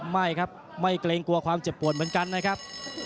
ไม่ครับไม่เกรงกลัวความเจ็บปวดเหมือนกันนะครับ